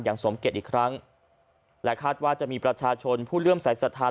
อย่างสมเกตอีกครั้งและคาดว่าจะมีประชาชนผู้เรื่องสายสถาน